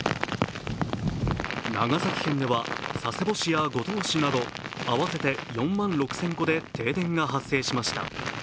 長崎県では佐世保市や五島市など合わせて４万６０００戸で停電が発生しました。